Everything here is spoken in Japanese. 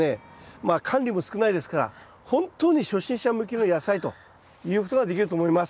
まあ管理も少ないですから本当に初心者向きの野菜と言うことができると思います。